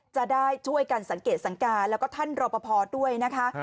จะได้ช่วยกันสังเกตสังการแล้วก็ท่านรอปภด้วยนะคะ